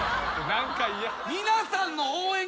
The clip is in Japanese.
何か嫌。